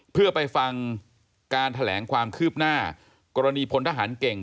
เพื่อไปฟังการแถลงความคืบหน้ากรณีพลทหารเก่ง